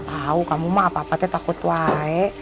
tau kamu mah apa apa teh takut wae